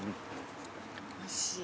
おいしい。